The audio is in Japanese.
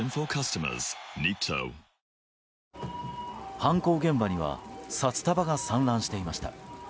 犯行現場には札束が散乱していました。